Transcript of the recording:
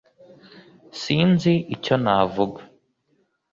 Sinzi icyo navuga